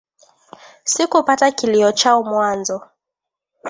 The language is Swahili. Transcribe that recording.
Sikupata kilio chao mwanzo